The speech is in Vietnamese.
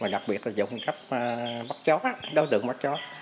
đặc biệt là trộm cắp bắt chó đối tượng bắt chó